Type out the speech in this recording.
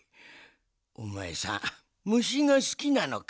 おまえさんむしがすきなのか？